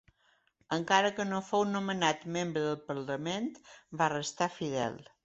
Encara que no fou nomenat membre del parlament va restar fidel.